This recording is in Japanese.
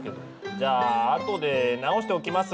じゃああとで直しておきます。